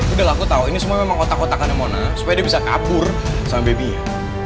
udah aku tahu ini semua memang kotak kotakannya mona supaya dia bisa kabur sama baby